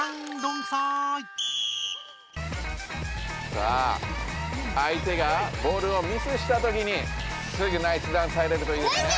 さああい手がボールをミスしたときにすぐナイスダンス入れるといいですね。